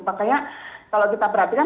makanya kalau kita perhatikan